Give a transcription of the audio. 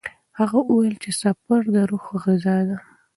هغه وویل چې سفر د روح غذا ده.